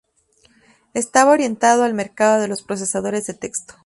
Estaba orientado al mercado de los procesadores de textos.